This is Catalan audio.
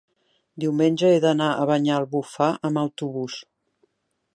Diumenge he d'anar a Banyalbufar amb autobús.